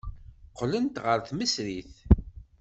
Qqlent ɣer tmesrit.